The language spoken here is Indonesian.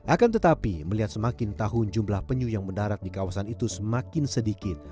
akan tetapi melihat semakin tahun jumlah penyu yang mendarat di kawasan itu semakin sedikit